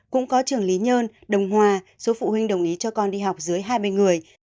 cũng có trường lý nhơn đồng hòa số phụ huynh đồng ý cho con đi học dưới hai mươi người